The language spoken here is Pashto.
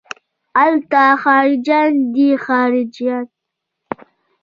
الته خارجيان دي خارجيان.